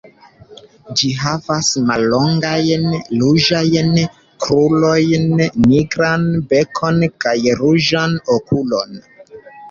Ĝi havas mallongajn ruĝajn krurojn, nigran bekon kaj ruĝan okulon.